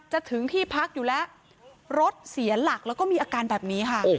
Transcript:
ถึงที่พักอยู่แล้วรถเสียหลักแล้วก็มีอาการแบบนี้ค่ะ